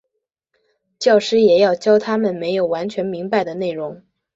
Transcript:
教师也要教他们没有完全明白的内容。